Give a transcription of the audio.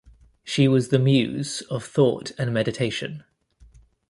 She was the muse of thought and meditation.